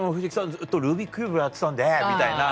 ずっとルービックキューブやってたんで」みたいな。